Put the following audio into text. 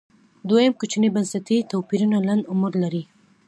دویم کوچني بنسټي توپیرونه لنډ عمر لري